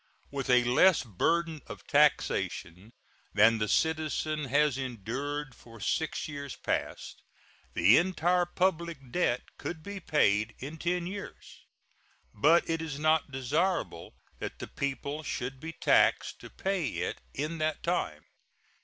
With a less burden of taxation than the citizen has endured for six years past, the entire public debt could be paid in ten years. But it is not desirable that the people should be taxed to pay it in that time.